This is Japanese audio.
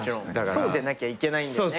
そうでなきゃいけないんだよね。